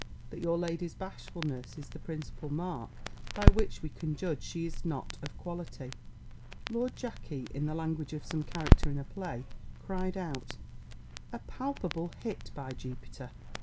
that your lady's bashfulness is the principal mark by which we can judge she is not of quality." Lord Jackey, in the language of some character in a play, cried out, "_A palpable hit, by Jupiter!